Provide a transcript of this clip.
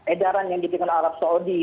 edaran yang diberikan arab saudi